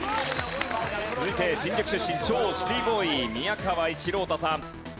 続いて新宿出身超シティーボーイ宮川一朗太さん。